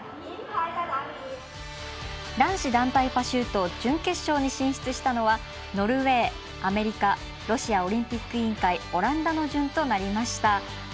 男子団体パシュート準決勝に進出したのはノルウェー、アメリカロシアオリンピック委員会オランダの順となりました。